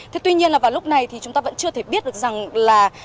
thế tuy nhiên là vào lúc này thì chúng ta vẫn chưa thể biết được rằng là